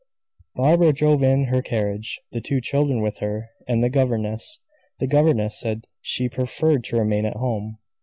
Barbara drove in her carriage, the two children with her, and the governess. The governess said she preferred to remain at home.